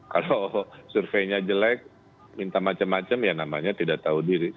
kalau surveinya jelek minta macam macam ya namanya tidak tahu diri